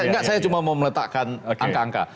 enggak saya cuma mau meletakkan angka angka